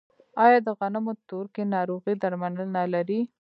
آیا د غنمو تورکي ناروغي درملنه لري؟